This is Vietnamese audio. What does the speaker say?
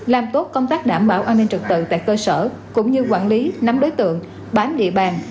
làm tốt công tác đảm bảo an ninh trực tự tại cơ sở cũng như quản lý nắm đối tượng bám địa bàn